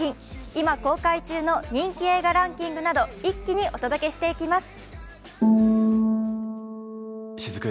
今公開中の映画人気ランキングなど一気にお届けしていきます。